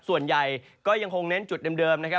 ส่วนใหญ่ก็ยังคงเน้นจุดเดิมนะครับ